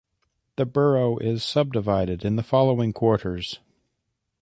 The borough is subdivided in the following quarters.